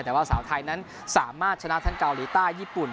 แต่ว่าสาวไทยนั้นสามารถชนะทั้งเกาหลีใต้ญี่ปุ่น